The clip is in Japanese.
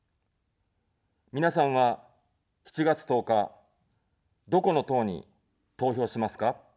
皆さんは、７月１０日、どこの党に投票しますか。